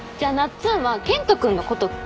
つんは健人君のこと嫌い？